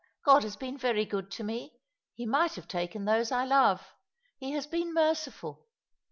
God has been very good to me. He might have taken those I love. He has been merciful."